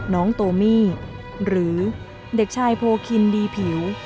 น้องโตมี่หรือเด็กชายโพคินดีผิว